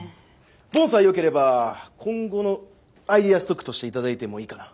ボンさえよければ今後のアイデアストックとして頂いてもいいかな。